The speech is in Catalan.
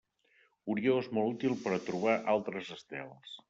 Orió és molt útil per a trobar altres estels.